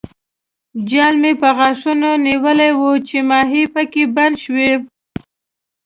جال مې په غاښونو نیولی وو چې ماهي پکې بند شو.